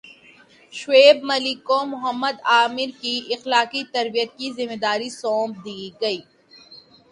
شعیب ملک کو محمد عامر کی اخلاقی تربیت کی ذمہ داری سونپ دی گئی